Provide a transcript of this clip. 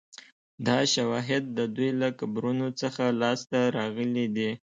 دا شواهد د دوی له قبرونو څخه لاسته راغلي دي